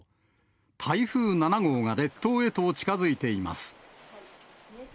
台風７号が列島へと近づいています。